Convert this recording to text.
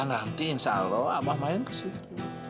iya nanti insya allah abah main kesini